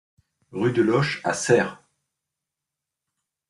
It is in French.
Rue de L'Auche à Serres